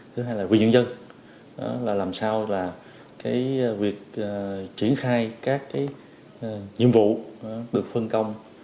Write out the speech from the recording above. thứ hai là quên dân dân là làm sao là cái việc triển khai các cái nhiệm vụ được phân công